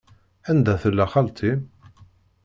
Anda tella xalti-m?